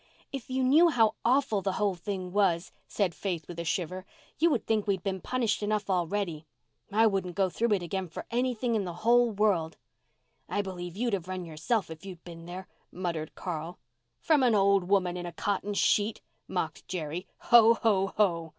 "If you knew how awful the whole thing was," said Faith with a shiver, "you would think we had been punished enough already. I wouldn't go through it again for anything in the whole world." "I believe you'd have run yourself if you'd been there," muttered Carl. "From an old woman in a cotton sheet," mocked Jerry. "Ho, ho, ho!"